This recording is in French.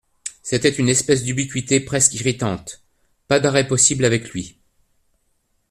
C'était une espèce d'ubiquité presque irritante ; pas d'arrêt possible avec lui.